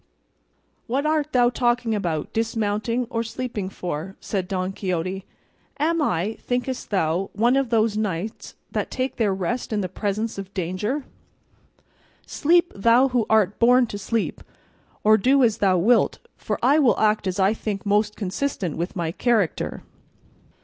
"What art thou talking about dismounting or sleeping for?" said Don Quixote. "Am I, thinkest thou, one of those knights that take their rest in the presence of danger? Sleep thou who art born to sleep, or do as thou wilt, for I will act as I think most consistent with my character."